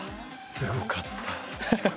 すごかった。